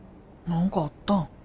何かあったん？